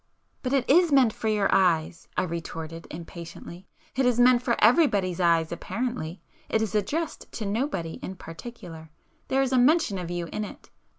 "But it is meant for your eyes,"—I retorted impatiently—"It is meant for everybody's eyes apparently,—it is addressed to nobody in particular. There is a mention of you in it.